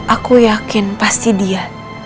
aku yakin pasti dia